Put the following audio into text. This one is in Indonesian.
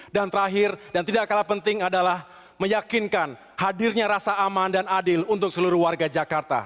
dan terakhir dan tidak kalah penting adalah meyakinkan hadirnya rasa aman dan adil untuk seluruh warga jakarta